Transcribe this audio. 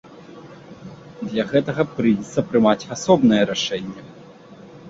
Для гэтага прыйдзецца прымаць асобнае рашэнне.